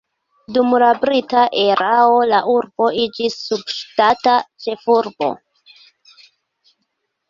Dum la brita erao la urbo iĝis subŝtata ĉefurbo.